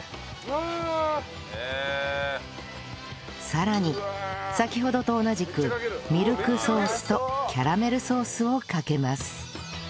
さらに先ほどと同じくミルクソースとキャラメルソースをかけます